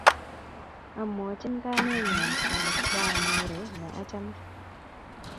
Amwochin kamennyu ale kwaanyoru ne achame.